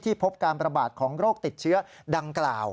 พบการประบาดของโรคติดเชื้อดังกล่าว